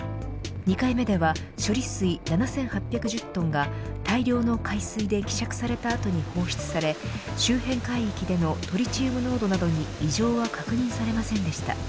２回目では処理水７８１０トンが大量の海水で希釈された後に放出され周辺海域でのトリチウム濃度などに異常は確認されませんでした。